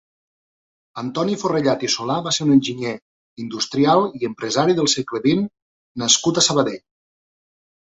Antoni Forrellad i Solà va ser un enginyer industrial i empresari del segle vint nascut a Sabadell.